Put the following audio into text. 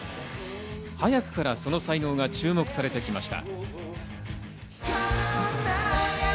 早くからその才能が注目されてきました。